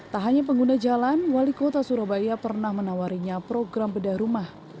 tak hanya pengguna jalan wali kota surabaya pernah menawarinya program bedah rumah